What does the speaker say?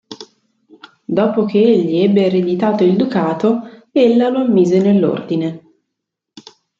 Dopo che egli ebbe ereditato il ducato, ella lo ammise nell'ordine.